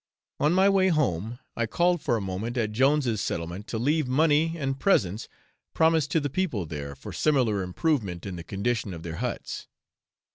On my way home I called for a moment at Jones' settlement to leave money and presents promised to the people there, for similar improvement in the condition of their huts.